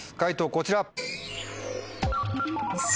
こちら。